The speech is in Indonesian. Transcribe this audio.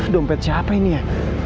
dompet siapa ini ya